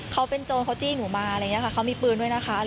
เขาเป็นโจรเขาจี้หนูมาอะไรอย่างนี้ค่ะเขามีปืนด้วยนะคะ